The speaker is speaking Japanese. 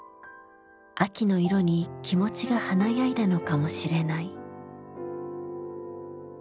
秋の色に気持ちが華やいだのかもしれない。